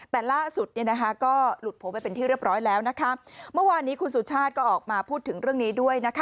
แต่ล่าสุดเนี่ยนะคะก็หลุดโผล่ไปเป็นที่เรียบร้อยแล้วนะคะเมื่อวานนี้คุณสุชาติก็ออกมาพูดถึงเรื่องนี้ด้วยนะคะ